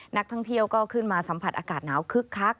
นักท่องเที่ยวก็ขึ้นมาสัมผัสอากาศหนาวคึกคัก